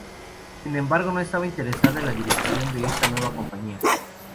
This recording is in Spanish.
Sin embargo, no estaba interesada en la dirección de esta nueva compañía.